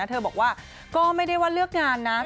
เธอบอกว่าก็ไม่ได้ว่าเลือกงานนะ